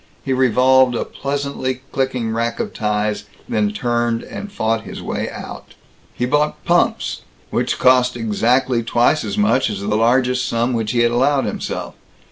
He revolved a pleasantly clicking rack of ties, then turned and fought his way out. He bought pumps which cost exactly twice as much as the largest sum which he had allowed himself.